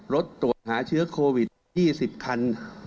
รถตรวจหาเชื้อโควิด๒๐คัน